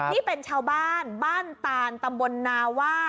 นี่เป็นชาวบ้านบ้านตานตำบลนาว่า